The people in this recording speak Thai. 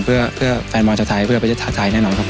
เพื่อแฟนบอร์ชันไทยเพื่อไปเจอชาติแน่นอนครับผม